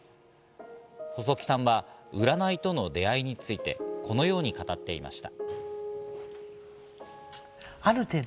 細木さんは占いとの出会いについて、このように語っていました。